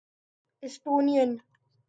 Estonian